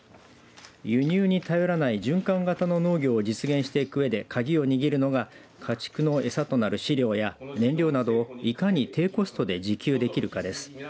輸入に頼らない循環型の農業を実現していくうえで鍵を握るのが家畜の餌となる飼料や燃料などをいかに低コストで自給できるかです。